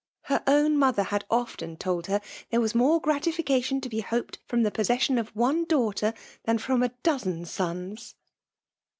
Her own mother had often told her there was more gratification to be hoped from the possession of one daughter, than {rom a dozen sons."